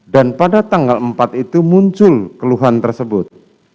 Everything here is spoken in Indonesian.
dan pada tanggal empat itu muncul keluhan tersebut